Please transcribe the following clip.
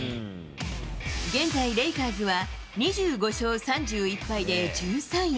現在レイカーズは２５勝３１敗で１３位。